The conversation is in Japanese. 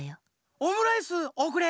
オムライスおくれ！